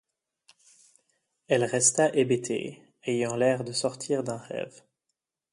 Elle resta hébétée, ayant l'air de sortir d'un rêve.